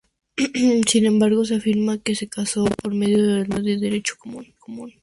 Sin embargo, se afirma que se casó por medio del matrimonio de derecho común.